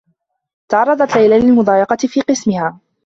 تعرّضت ليلى للمضايقة في قسمها.